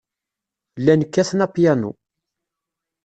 Llan kkaten apyanu.